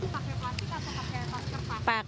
pakai plastik atau pakai kertas